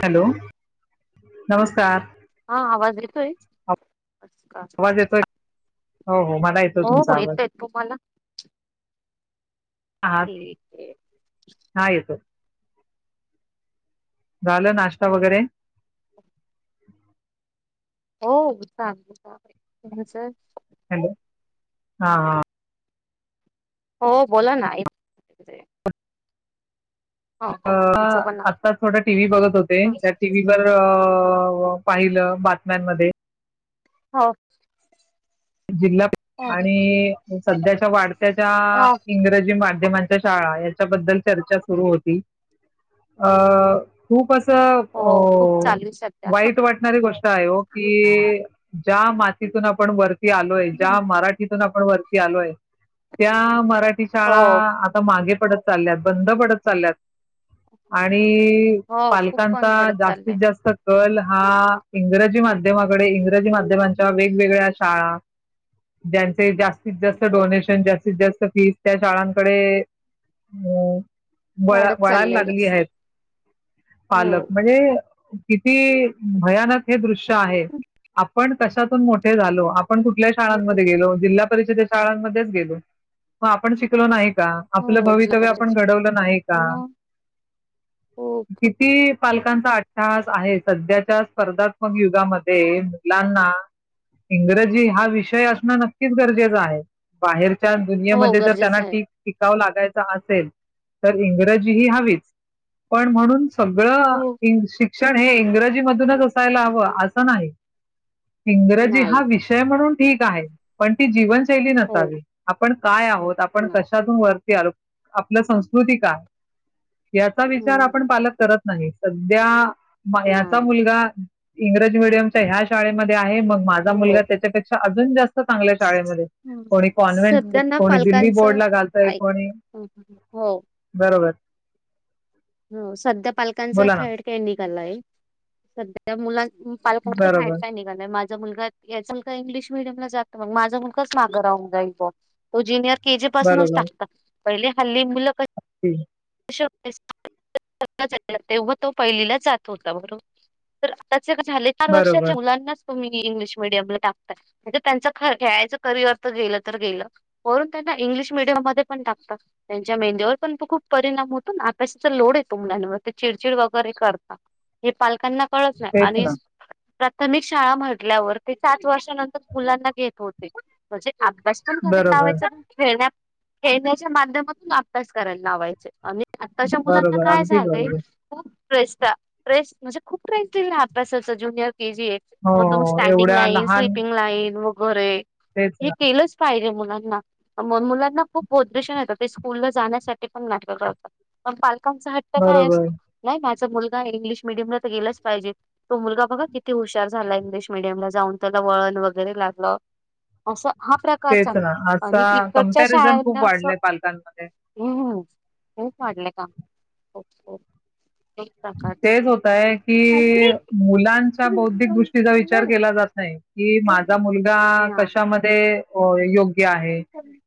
Hello ऽऽ. नमस्कारऽऽ हा आवाज येतोय, आवाज येतोय [inaudible] हो हो मला येतोय हो तुमचा हो आवाज, येतोय हा ठीकऽऽऽय हा येतो झालं नाश्ता वगैरे, होऽऽ चालतंय चालतंय. तूमचं हॅलो, ह हा हाऽऽ हो बोला ना. ऐकू तय पण ना. अंऽऽऽआता थोडा टीव्ही बघत होते, त्या टीव्हीवर अंऽऽ पाहिलं बातम्यांमध्ये. हा [unintelligible] जिल्हा आणि सध्याच्या वाढत्याच्या हो इंग्रजी माध्यम. च्याबद्दल चर्चा सुरु होती अ खूपच. अ हो खूप चालू आहे सध्या वाईट वाटणारी गोष्ट आहे हो की. ज्या मातीतून आपण वर. आलोय ज्या मराठीत. ण वरती आलोय त्या मराठी. हो शाळा आता मागे. बंंद पडत चालल्यात. आणि. आणि हो खूप कमी पालकांचा पडत जास्तीत चाललंय जास्त कल हा इंग्रजी माध्य माध्यमाकडे इंग्रजी माध्यमांच्या वेगवेगळ्या. शाळा ज्यांचे जास्त. जात जास्त हो डोनेशन जास्तीत जास्त. फीस त्या शाळांकडे अ. वळा वाढत वळायला चाललंय लागली जास्त आहेत, हो पालक म्हणजे किती भयानक हे दृश्य आहे आपण. कशातून मोठे झालो. आपण कुठल्या शाळमध्ये गेलो जिल शाळांमध्येच गेलो मग आपण शिकलो नाही. आपलं हो जिल्हा भवितव्य आपण परिषद घडवलं नाही का, मग हो किती पाल कांचा अठ्ठास आहे, सध्याच्या स्पर्धात्मक युगामध्ये मुलांना. इंग्रजी हा विषय असणं नक्कीच गरजेचं आहे बाहेर. हो दुनियामध्ये ज त्यांना गरजेचं आहे टिकावं लागत. अस तर इंग्रजी ह हच पण म्हणून. सगळं हो इंग श. शिक्षण हे इंग्रजी मधूनच असायला हवं असं नाही. इंग्रजी. नाही विषय म्हणूनठीक आहे पण ती जीवन. शैली हो नसावी आपण काय आहोत, आपण नाही कशातून वर. आपलं संस्कृती काय. याचा विचार आपण पालक करत. नाही सध्या. याचा नाही मुलगा. इंग्रजी मीडियमच्या ह्या शाळेमध्ये आहे मग. हो मुलगा त्याच्यापेक्षा जास् चांगल्या शाळेमध्ये हं कोणी कॉन्व्हेंट सध्या ना कोणी दिल्ली पालकांचं बोर्डला घालतय ऐक कोणी हं, हं. हो बरोबर हो सध्या पालकांचा बोला ना. फॅड क य सध्या मुला पालकांचहेर बरोबर, काय निघलणार ्यम जात माझ मुलगच माग राह जाई तोनि के जी पासूनच बरोबर. टाकतात पहिले हल्ली फुलं हं, कस तेव्हा तो पहिलीला जात होता बरोबर आ झाार बरोबर. वर्षाच्या मुलांना तुम्ही इंग्लिश मिीडियमला टाकताय म्हणजे त्यांच ख खेळायचं करिअर तर गेलं तर गेलं वरून त्यांना इंग्लिश मिीडियम मध्ये पण टाकत त्यांच्या मेंद्यावर पण त खूप परिणाम होतो अभ्यासाचा लोड येतो मुलांवर ते चिडचिड वगैरे करता हे पालकांना कळत नाही तेच आणि ना. प्राथमिक शाळा म्हटल्यावर ते सात वर्षानंतर मुलांना घेत होते म्हणजे अभ्यास पण करेयला बरोबर, लावायचा खेळण्यात खेळण्याच्या माध्यमातून अभ्यास करायला लावायचा आणि आता अशा मुलांना बरोबर. काय अगदी झालंय बरोबर. हो फ्रेसचा प्र्रेस म्हणजे खूप प्र्रेसटई ना आप्यासचं ज्युनियर के जी हो, मग तुम् हो. स्टँडिंग एवढ्या लाईन लहान स्लीपिंग लाईन मग गरे तेच हे ना केलंच पाहिजे मु मु मुलांना खूप बदेशण येतं ते स्कूल ला जाण्यासाठी पण नाही डा डा डा अ पा हट्ट काय बरोबर असतो नाही माझ मुलगा इंग्लिश मिीडियमला तर गेलाच पाहिजे तो मुलगा बघा किती हुशार झाला इंग्लिश मिडियम ला जाऊन त्याला वळण वगैरे लागलं असं हा प्रकार तेच चालू ना असा आणि इकडच्या कंपॅरिझन खूप शाळांना असं वाढलंय पालकांमध्ये हम्म खूप वाढलं काम खूप प्रकारचे. तेच होतय की नाही. मुलांच्या बौद्धिक गोष्टीचा विचार केला जात नाही कि माझा मुलगा कशामध्ये हो य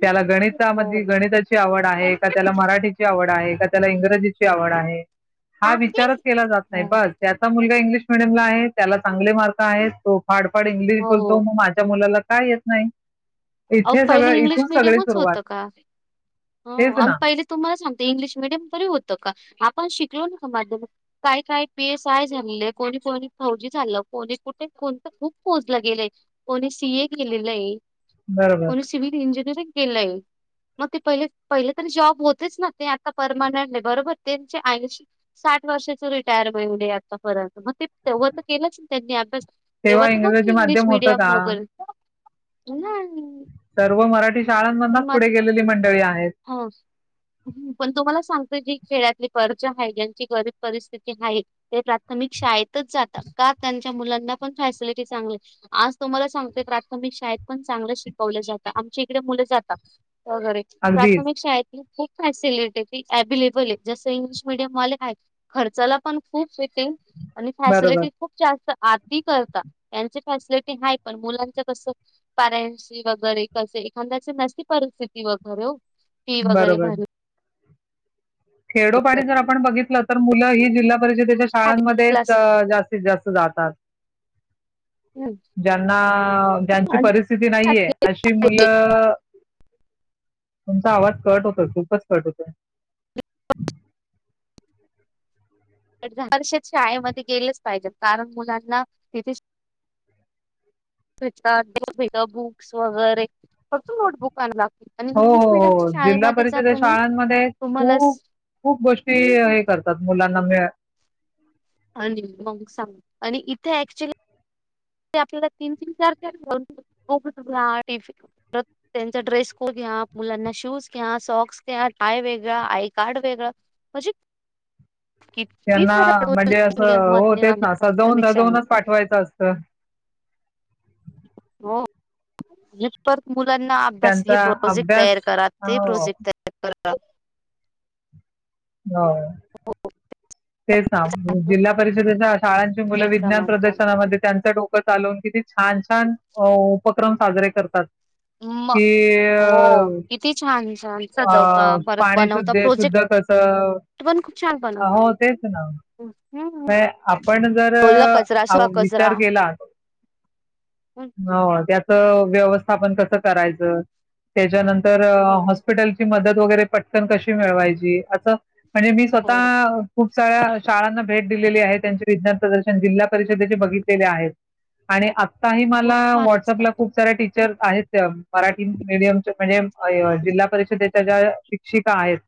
त्याला गणितामध्येध हो. गणिताची आवड आहे का त्याला मराठीची आवड आहे का त्याला इंग्रजीची आवड आहे हा विचारच केला जात नाही बस त्याचा मुलगा इंग्लिश मिीडियमला आहे त्याला चांगले मार्क आहेत तो पाडपाड इंग्लिश हो. बोलतो मग माझ्या मुलाला काय येत नाही अ इथे पहिले सगळं इंग्लिश इथून सगळी मिीडियमच सुरुवात होतं का तेच आणि ना पहिले तुम्हाला सांगत इंग्लिश मिीडियम तरी होतं का आपण शिक ो माध्यम काय काय पी एस आय झालेलं आहे कोणी कोणी फौजी झालं कोणी कुठे कोणत खूप पोचलं गेलंय कोणी सीए केलेलं आहे बरोबर कोण सि इंजियरंग केलंय मग ते पहिले पहिले तरी जॉब होतेच ना ते आता परमानंट बरोबर त्यांचे आऐशी साठ वर्षाच रिटायरमें आतापर्यंत मग ते ते तर केलंच ना त्यांनी अभ्यास तेव्हा तर नक इंग्रजी इंग्लिश माध्यम होतं का मीडियम मगल ए ना सर्व मराठी शाळांमधना पुढे गेलेली मंडळी आहे हा पण तुम्हाला सांग जी खेळातली कर्ज आहे ज्यांची गरीब परिस्थिती आहे ते प्राथमिक शाळेतच जातात का त्यांच्या मुलांना पण फॅसिलिटी चांगली आज तुम्हाला सांगतेय प्राथमिक शाळेत पण चांगले शिकवले जातात आमची इकडे मुलं जातात अगदीच प्राथमिक शाळेतील फॅसिलिटीी अव्लेबल आहे जसं इंग्लिश मिीडियम वाले काय खर्चाला पण खूप येते आणि बरोबर फॅसिलिटीज खूप जास्त आ त करता त्यांचे फॅसिलिटी आहे पण मुलांच कस पॅरेंस वगैरे कसे एखाद्याची नसती परिस्थिती वगैर बर फी वगैरे भर खेडोपाणी जर आपण बघितलं तर मुलं ही जिल्हा परिषदेच्या शाळांमध्येच क्लास जास्तीत जास्त जात ह ज्यांना ज्यांची परिस्थिती नाहीये अशी मुलं तुमच आवड कट होत खूपच कट होतं हम् वर्ष शाळेमध्ये गेलेच पाहिजेत कारण मुलांना तिथे े बुक्स वगैरे फक्त नोटबुक आणलात हो हो हो जिल्हा परिषद या तुम्ही शाळांमध्ये तुम्हाला खूप खूप गोष्टी हे करतात मुलांना मि आणि मग सांग आणि इथे ऍक्च्युली ते आपल्याला तीन तीन चार च घ्या टिफिन त्यांचा ड्रेस ख घ्या मुलांना शूज घ्या सॉक्स घ्या टाय वेगळा आय कार्ड वेगळां म्हणजे किती त्यांना फरक म्हणजे मिडियम असं हो मध्ये तेच आणि ना सजवून प्राथमिक जवूनच शाळेमध्ये पाठवायचं असतं हो मुलांना अभ्यास हे त्यांचा प्रोजेक्ट अभ्यास तयार करा ते हो प्रोजेक्ट तयार कर ह हा हो तेच ना जिल्हा परिषदेच्या शाळांची मुलं विज्ञान समान चालू. प्रदर्शनामध्ये त्यांचाोक आलो की ते छान प साजरे करतात म की हो अ, किती छान छान सजवता अ, परत पाणी बनवता शुद्ध शुद्ध कसं प्रोजेक्ट पण खूप छान बनवत हो तेच ना आपण जर ओला कचरा सुका कचरा विचार केला हो. त्या व्यवथापन कस करायच त्याच्यानंतर तर हॉस्पिटलची मदत वगैरे पटकन कशी मिळवायची असं म्हणजे, मी हो. स्वतः खूप साऱ्या शाळांना भेट दिलेली आहे. त्यांचे विज्ञान प्रदर्शन जिल्हा परिषदेचे बघितलेले आहेत. आणि आता ही मला खूप छान व्हॉट्स अप असता ला खूप साऱ्या टीचर आहेत, मराठी मीडियमचे, म्हणजे जिल्हा परिषदे त्या ज्या शिक्षिका आहेत.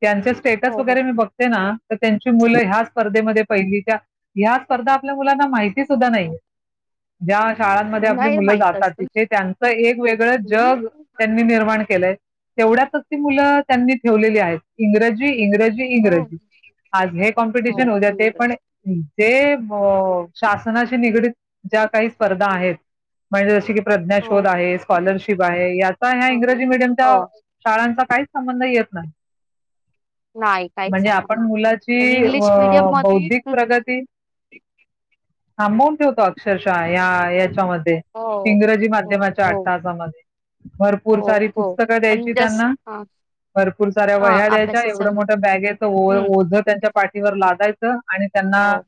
त्यांचे स्टेटस हो हो वगैरे मी बघते ना, तर त्यांची मुलं ह्याच मध्ये पहिली. त्या ह्या स्पर्धा आपल्या मुलांना माहित मी सुद्धा नाहीये. [unintelligible] शाळांमध्ये आपली नाही मुलं माहित जातात. असत. तिथे त्यांचं एक वेगळं जग त्यांनी निर्माण केलंय तेवढ्यातच ती मुलं- त्यांनी ठेवलेली आहेत. इंग्रजी इंग्रजी, हो. इंग्रजी. आज हे कॉम्पिटिशन होत्या हो. उद्या ते इंग्रज पण- ते अ शासनाशी निगडीत- ज्या काही स्पर्धा आहेत. म्हणजे जशी की - प्रज्ञा हो शोध आहे, स्कॉलरशिप आहे, याचा ह्या हो इंग्रजी हो मीडियमच्या शाळांचा काय संबंध येत नाही. नाही काही म्हणजे सबंध आपण येत नाही. आणि मुलाची इंग्लिश अ मीडियम मध्ये बौद्धिक प्रगती अमाऊंट ठेवतो अक्षरशः या याच्यामध्ये हो इंग्रजी हो माध्यमाच्या आठ हो. तासामध्ये हो भरपूर सारी हो पुस्तकं आणि द्यायची जस त्यांना, हा भरपूर साऱ्या हा वह्या द्यायच्या, अभ्यासाचा एवढं लोड मोठं बॅग चे ओ हम्म -ओझ त्यांच्या लादायच. हो,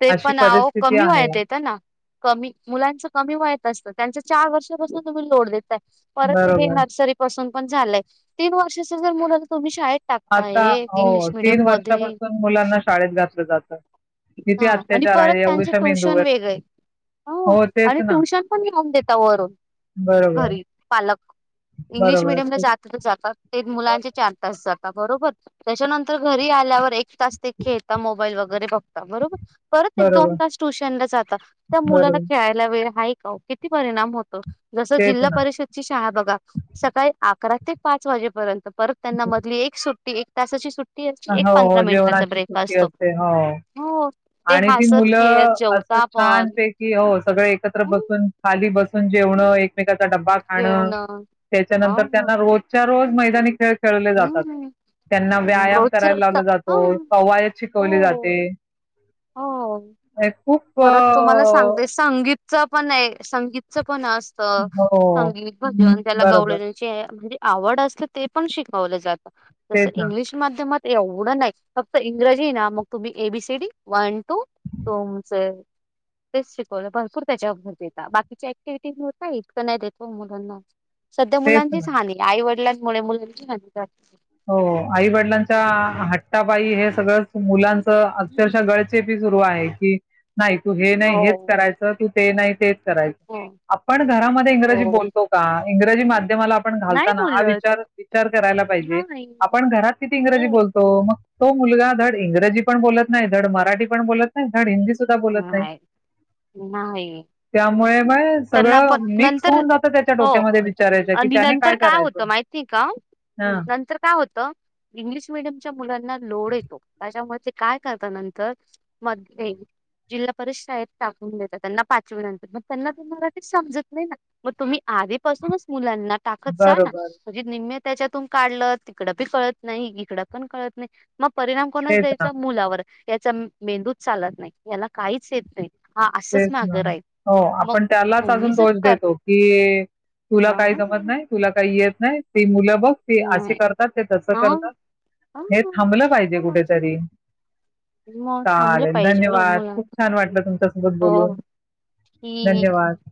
ते अशी पण अवो परिस्थिती कमी आहे वयात येत ना, कमी, मुलांच कमी वयचं असतं. त्यांच चार वर्ष पासना तुम्ही लोड देताय. परत ते हे बरोबर नर्सरी पासून. पण झालय. तीन वर्षाची जर मुलं तुम्ही शाळेत टाकताय आता, इंग्लिश हो, तीन मिडियम मध्ये वर्षापासून मुलं मुलांना शाळेत घातलं जातं. किती ह आणि अत्याचार परत आहे त्यांचे एवढीशा ट्युशन मेंदूवर वेगळे. हो तेच आणि ना ट्युशन पण लावून देता वरून, बरोबर घरी. पालक इंग्लिश बरोबर मिडियमला हो जातात तर जातात, ते ना मुलांचे चार तास जातात. बरोबर, त्याच्यानंतर घरी आल्यावर एक तास ते खेळता, मोबाईल वगैरे बघ बरोबर परत एक दोन बरोबर तास ट्युशनला जाता त्या मुलाला बरोबर खेळायला वे हय का किती परिणाम होत जस तेच जिल्हा ना परिषदची शाळा बघा सकाळी अकरा ते पाच वाजेपर्यंत परत त्यांना मधली एक सुट्ट एक तासाची सुट हो हो जेवणाची सुट्टी असते हो हो ते आणि ती हसत मुलं खेळत असं जेवता छान पण ते की हो सगळे एकत्र हम्म बसून खाली बस जेवणं एक ेचा डबा खाणं जेवण हा त्याच्यानंतर त्यांना रोजच्या रोज खळ [unintelligible] खेळले जातात हम्म त्यांना व्यायाम रोजचे करायला रोज लावला जातो हा कवायत शिकवली हो. जाते हो हे खूप अ परत तुम्हाला सांगते संगीतच पण आहे संगीत पण असत हो, संगीत भजन त्याला बरोबर. गालचे [unintelligible] म्हणजे आवड असल ते पण शिकवलं जात जस तेच ना, इंग्लिश माध्यमात एवढं नाही फक्त इंग्रजी ना मग तुम्ही एबीसीडी वन टू च तेच शिकवलं भरपूर त्याच्यावर भर देता. बाकीच्या ऍक्टिव्हटीत होता. इतक नाही देत मुलांना सध्या तेच ना. मुलांचीच हानी आई वडिलां मुळे मुले ह हो.. आई वडिलांच्या हट्टापाइ हे सगळ मुलां झाली. अक्षरशः गळचेपीच हो हो आहे की नाही तू हे नाही हेच हो. करायचं तू ते नाही ते करायच हो. आपण घरामध्ये इंग्रजी हो. बोलतो का? इंग्रजी माध्य मला आपण नाही घालताना हा बोलत विचार विचार करायला पाहिजे. नाही. आपण घरात किती इंग्रजी हो. बोलतो मग तो मुलगा धड इंग्रजी पण बोलत नाही, धड मराठी पण बोलत नाही, धड हिंदी सु सुद्धा बोलत नाही नाही त्यामुळे म त्यांना पण सगळं मिक्स नंतर होऊन जात त्याच्या हो डोक्यामध्ये विचारायच्या की आणि त्याने नंतर काय करायचं होतं माहिती का ह नंतर काय होतं इंग्लिश मिडीयम च्या मुलांना लोड येतो. त्याच्यामुळे ते काय करता नंतर म ते जिल्हा परिषद शाळेत टाकून देता त्यांना पाचवी नंतर मग त्यांना ते मराठी समजत नाही ना मग तुम्ही आधीपासूनच मुलांना टाकत जा ना बरोबर म्हणजे निम्मे त्याच्यातून काढलं तिकडं बी कळत नाही इकडं पण कळत नाही मग त्या परिणाम कोणच तेच ना द्यायचा मुलावर त्याचा मेंदूच चालत नाही. हेना काहीच येत नई. तेच ना हो मग आपण त्यालाच तुम्ही अजून जर दोष कर देतो की तुला हा, काही जमत नाही, तुला काही येत नाही ते मुलं बघ ते असे नाही करतात ते तस ह करतात हे थांबलं पाहिजे कुठेतरी मग थांबलं चालेल पाहिजे ल धन्यवाद मुला खूप छान वाटलं तुमच हो बोलून ही धन्यवाद.